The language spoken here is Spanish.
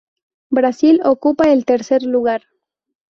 Brasil ocupa el tercer lugar.